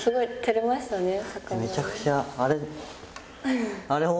めちゃくちゃあれ。